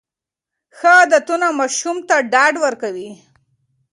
ښه عادتونه ماشوم ته ډاډ ورکوي.